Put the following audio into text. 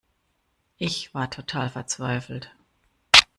Ich war total verzweifelt.